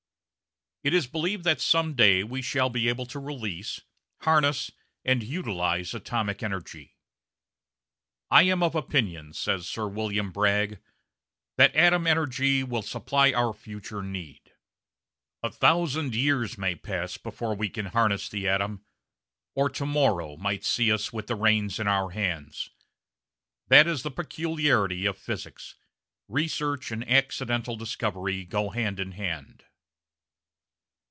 It is believed that some day we shall be able to release, harness, and utilise atomic energy. "I am of opinion," says Sir William Bragg, "that atom energy will supply our future need. A thousand years may pass before we can harness the atom, or to morrow might see us with the reins in our hands. That is the peculiarity of Physics research and 'accidental' discovery go hand in hand."